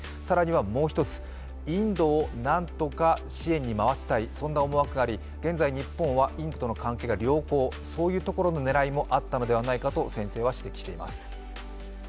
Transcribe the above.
更にはもう一つ、インドをなんとか支援に回したいそんな思惑があり現在、日本はインドとの関係が良好そういうところの狙いもあったんではないかと先生は指摘しています。